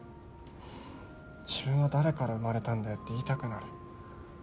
自分は誰から生まれたんだよって言いたくなる。